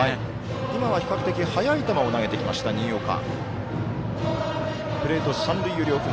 今は比較的速い球を投げてきました、新岡。